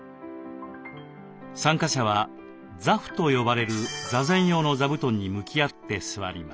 参加者は坐蒲と呼ばれる座禅用の座布団に向き合って座ります。